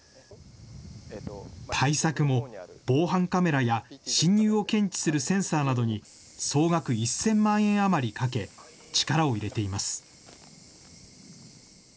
対策も防犯カメラや侵入を検知するセンサーなどに総額１０００万円余りかけ、力を入れています。